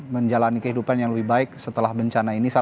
menjalani kehidupan yang lebih baik setelah bencana ini